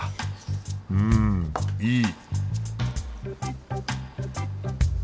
うんいい！